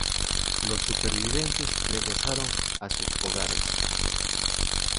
Los supervivientes regresaron a sus hogares.